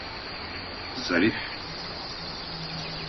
Zarif…